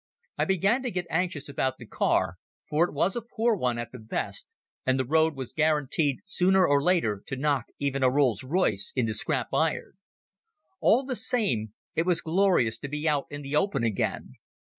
I began to get anxious about the car, for it was a poor one at the best, and the road was guaranteed sooner or later to knock even a Rolls Royce into scrap iron. All the same it was glorious to be out in the open again.